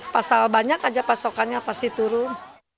pasal banyak aja pasokannya pasti turun